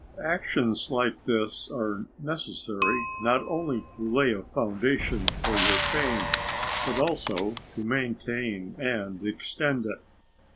Actions like this are necessary not only to lay a foundation for your fame, but also to maintain and extend it.